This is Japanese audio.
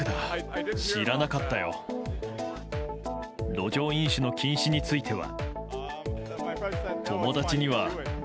路上飲酒の禁止については。